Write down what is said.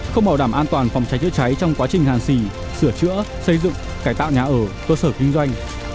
không bảo đảm an toàn phòng cháy chữa cháy trong quá trình hàn xì sửa chữa xây dựng cải tạo nhà ở cơ sở kinh doanh